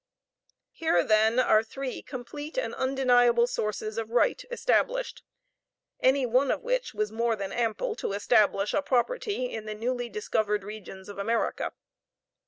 Here then are three complete and undeniable sources of right established, any one of which was more than ample to establish a property in the newly discovered regions of America.